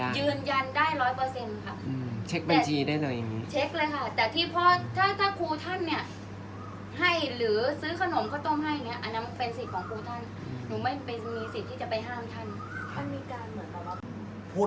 อันไหนที่มันไม่จริงแล้วอาจารย์อยากพูด